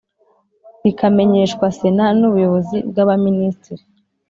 bikamenyeshwa sena n ubuyobozi bwa baminisitiri